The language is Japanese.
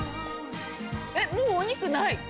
もうお肉ない。